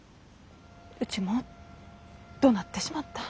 うちもどなってしまった。